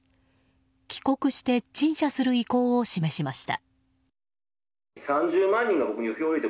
帰国して陳謝する意向を示しました。